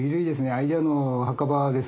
アイデアの墓場ですよ